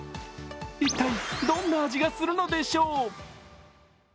一体どんな味がするのでしょう。